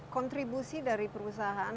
kontribusi dari perusahaan